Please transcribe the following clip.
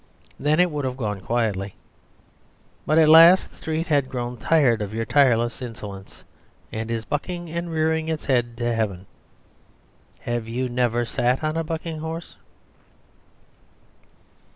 Then it would have gone quietly. But at last the street has grown tired of your tireless insolence; and it is bucking and rearing its head to heaven. Have you never sat on a bucking horse?